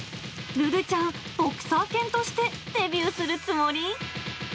ルルちゃん、ボクサー犬としてデビューするつもり？